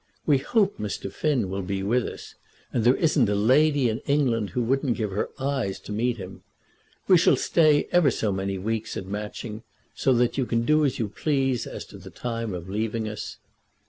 We hope Mr. Finn will be with us, and there isn't a lady in England who wouldn't give her eyes to meet him. We shall stay ever so many weeks at Matching, so that you can do as you please as to the time of leaving us.